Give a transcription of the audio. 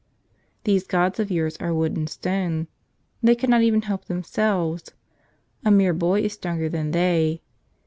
These gods of yours are wood and stone. They cannot even help them¬ selves. A mere boy is stronger than they.